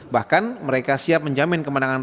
bahkan mereka siap menjamin kemenangan